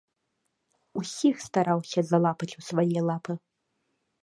Усіх стараўся залапаць у свае лапы.